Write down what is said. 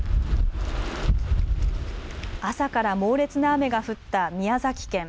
朝から猛烈な雨が降った宮崎県。